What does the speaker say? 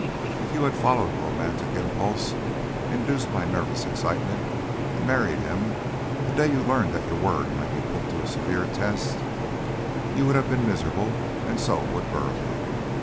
If you had followed a romantic impulse induced by nervous excitement and married him the day you learned that your word might be put to too severe a test, you would have been miserable, and so would Burleigh.